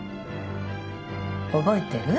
覚えてる？